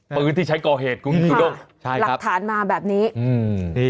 ปืนที่ใช้ก่อเหตุคุณจูด้งใช่หลักฐานมาแบบนี้อืมนี่